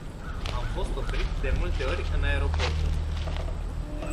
Am fost oprit de multe ori în aeroporturi.